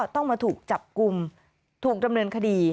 ต้องมาถูกจับกลุ่มถูกดำเนินคดี